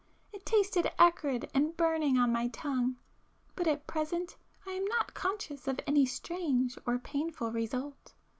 It tasted acrid and burning on my tongue,—but at present I am not conscious of any strange or painful result.